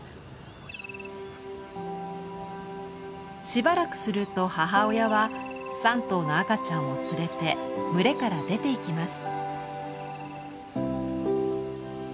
しばらくすると母親は３頭の赤ちゃんを連れて群れから出ていきます。